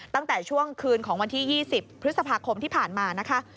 ตั้งแต่ช่วงคืนของวันที่๒๐พฤษภาคมที่ผ่านมานะคะ